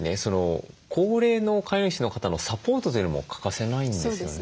高齢の飼い主の方のサポートというのも欠かせないんですよね。